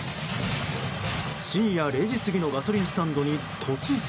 深夜０時過ぎのガソリンスタンドに突然。